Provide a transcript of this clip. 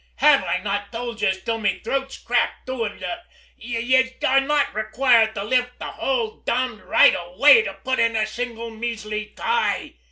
Have I not told yez till me throat's cracked doin' ut thot yez are not rayquired to lift the whole dombed right av way to put in a single measly tie?